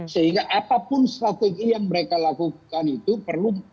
sehingga apapun strategi yang mereka lakukan itu perlu